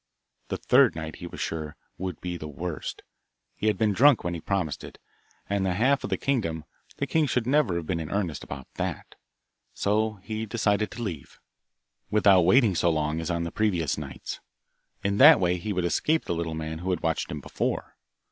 The third night, he was sure, would be the worst; he had been drunk when he promised it, and the half of the kingdom, the king could never have been in earnest about that! So he decided to leave, without waiting so long as on the previous nights. In that way he would escape the little man who had watched him before.